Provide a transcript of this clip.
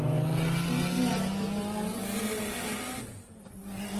Fue criada por su madre en Nuevo Hampshire.